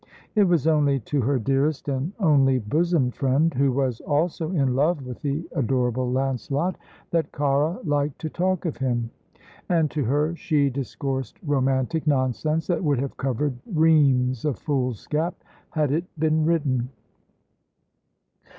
It was only to her dearest and only bosom friend, who was also in love with the adorable Lancelot, that Cara liked to talk of him, and to her she discoursed romantic nonsense that would have covered reams of foolscap, had it been written.